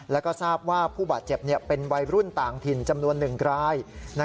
แล้วก็ทราบว่าผู้บาดเจ็บเป็นวัยรุ่นต่างถิ่นจำนวน๑ราย